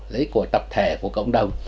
lợi ích của tập thể của cộng đồng